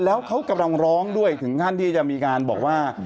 แล้วเขากำลังร้องด้วยถึงขั้นที่จะมีการบอกว่า